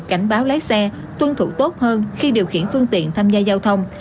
cảnh báo lái xe tuân thủ tốt hơn khi điều khiển phương tiện tham gia giao thông